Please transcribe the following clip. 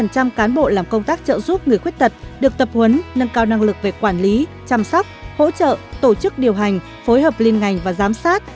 một trăm linh cán bộ làm công tác trợ giúp người khuyết tật được tập huấn nâng cao năng lực về quản lý chăm sóc hỗ trợ tổ chức điều hành phối hợp liên ngành và giám sát